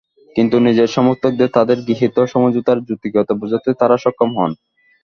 কিন্তু নিজের সমর্থকদের তাঁদের গৃহীত সমঝোতার যৌক্তিকতা বোঝাতে তাঁরা সক্ষম হন।